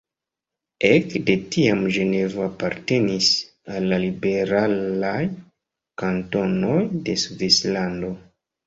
Ek de tiam Ĝenevo apartenis al la liberalaj kantonoj de Svislando.